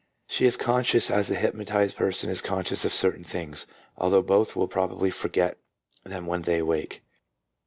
She is conscious as the hypnotized person is conscious of certain things, although both will probably forget them when they awake.